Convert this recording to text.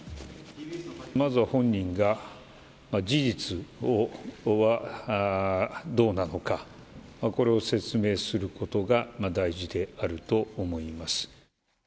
まずは本人が、事実はどうなのか、これを説明することが大事であると思います。